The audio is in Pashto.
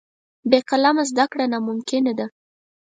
بې قلمه زده کړه ناممکنه ده.